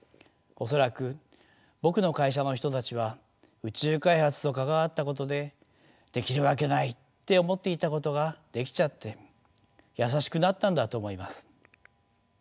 恐らく僕の会社の人たちは宇宙開発と関わったことでできるわけないって思っていたことができちゃって優しくなったんだと思います。